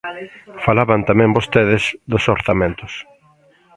Falaban tamén vostedes dos orzamentos.